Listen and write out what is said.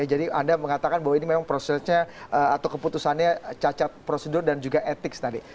jadi anda mengatakan bahwa ini memang prosesnya atau keputusannya cacat prosedur dan juga etik tadi